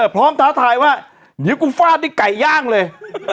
พร้อมท้าทายว่าเดี๋ยวกูฟาดดิไก่ย่างเลย